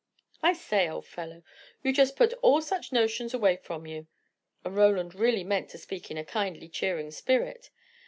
"I say, old fellow, you just put all such notions away from you" and Roland really meant to speak in a kindly, cheering spirit.